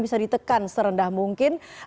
bisa ditekan serendah mungkin